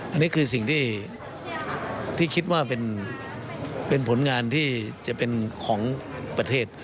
อันนี้คือสิ่งที่คิดว่าเป็นผลงานที่จะเป็นของประเทศ